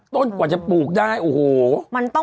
ต้นกว่าจะปลูกได้โอ้โห